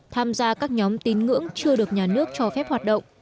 tham gia các nhóm tín ngưỡng chưa được nhà nước cho phép hoạt động